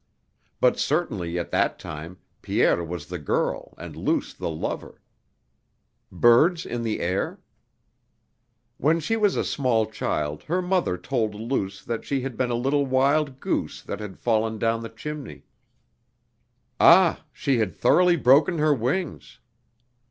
But certainly at that time Pierre was the girl and Luce the lover.... Birds in the air? When she was a small child her mother told Luce that she had been a little wild goose that had fallen down the chimney; ah! she had thoroughly broken her wings!...